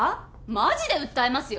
マジで訴えますよ！